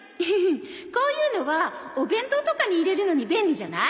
こういうのはお弁当とかに入れるのに便利じゃない？